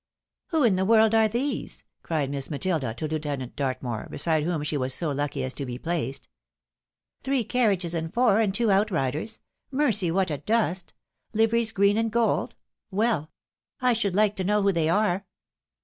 " Who in the world are these ?" cried Miss Matilda to Lieu tenant Dartmoor, beside whom she was so lucky as to be placed. " Three carriages and four, and two outriders ; mercy, what a dust ! Liveries green and gold — well ! I should hke to know who they are